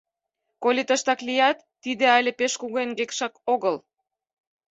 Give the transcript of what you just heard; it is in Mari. — Коли тыштак лият, тиде але пеш кугу эҥгекшак огыл.